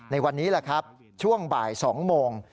ในวันนี้แหละครับช่วงบ่าย๒โมง